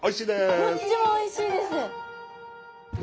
どっちもおいしいです！